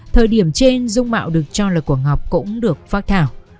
thời điểm trên dung mạo được cho là của ngọc cũng được phát thảo